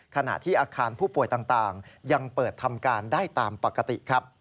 ขณะที่อาคารผู้ป่วยต่างยังเปิดทำการได้ตามปกติครับ